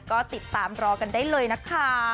ก็ติดตามรอกันได้เลยนะคะ